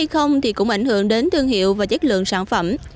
không thì cũng ảnh hưởng đến thương hiệu và chất lượng sản phẩm